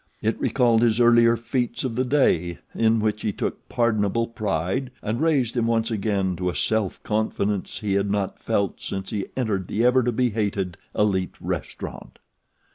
It recalled his earlier feats of the day, in which he took pardonable pride, and raised him once again to a self confidence he had not felt since he entered the ever to be hated Elite Restaurant.